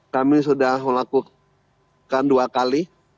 kami sudah melakukan dua kali